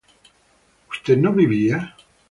¿usted no vivía?